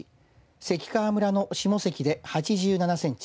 関川村の下関で８７センチ